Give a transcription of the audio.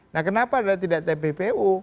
nah kenapa tidak ada tppu